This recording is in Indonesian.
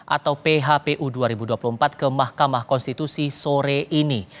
atau phpu dua ribu dua puluh empat ke mahkamah konstitusi sore ini